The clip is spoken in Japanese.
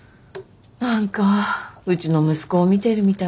何かうちの息子を見てるみたいで。